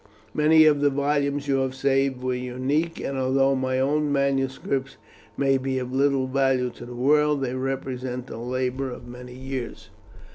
Many of the volumes you have saved were unique, and although my own manuscripts may be of little value to the world, they represent the labour of many years."